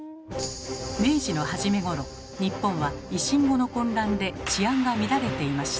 明治の初めごろ日本は維新後の混乱で治安が乱れていました。